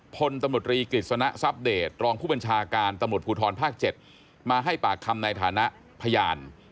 พลตรกริจสณซัพเดชต์รองผู้บัญชาการตะหมดผู้ถรภาค๗มาให้ปากคำในฐานะพยาน